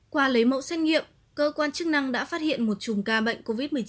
qua lấy mẫu xét nghiệm cơ quan chức năng đã phát hiện một chùm ca bệnh covid một mươi chín